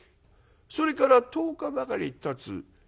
それから１０日ばかりたつ。